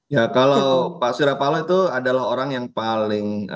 ya kalau pak surya paloh itu adalah orang yang paling